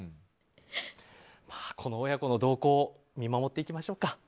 この親子の動向を見守っていきましょうか。